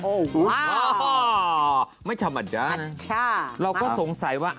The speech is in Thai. โอ้โฮว้าวไม่ชะมัดจ้านะเราก็สงสัยว่า